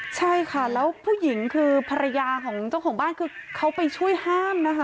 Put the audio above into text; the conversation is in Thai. ใช่ค่ะแล้วผู้หญิงคือภรรยาของเจ้าของบ้านคือเขาไปช่วยห้ามนะคะ